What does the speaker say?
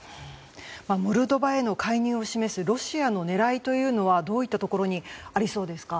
モルドバへの介入を示すロシアの狙いというのはどういったところにありそうですか？